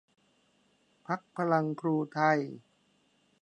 พรรคพลังครูไทย